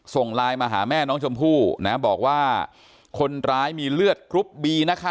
ส่งไลน์มาหาแม่น้องชมพู่นะบอกว่าคนร้ายมีเลือดกรุ๊ปบีนะคะ